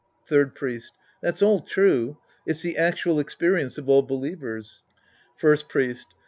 Third Priest. That's all true. It's the actual ex perience of all believers. First Priest.